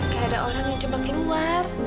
gak ada orang yang coba keluar